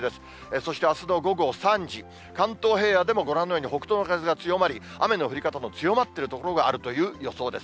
そしてあすの午後３時、関東平野でもご覧のように北東の風が強まり、雨の降り方の強まっている所があるという予想です。